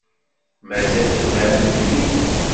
Mazal tebɣiḍ ad nemlil?